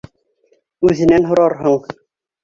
Үҙенән һорарһың.